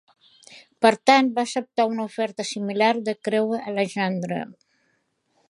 Per tant, va acceptar una oferta similar de Crewe Alexandra.